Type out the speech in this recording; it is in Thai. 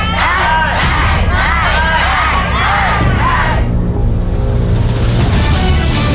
ได้